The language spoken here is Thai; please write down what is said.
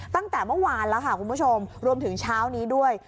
ตั้งแต่เมื่อวานแล้วค่ะคุณผู้ชมรวมถึงเช้านี้ด้วย